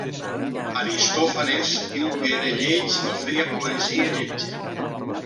Aristòfanes diu que era lleig i feia poesia lletja.